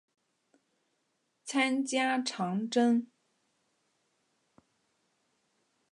参加长征。